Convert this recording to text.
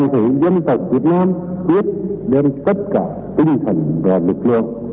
những dân tộc việt nam tuyết đem tất cả tinh thần và lực lượng